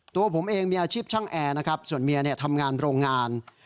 ตัวผมเองมีอาชีพช่างแอร์นะครับส่วนเมียทำงานโรงงาน